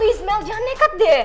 please mel jangan nekat deh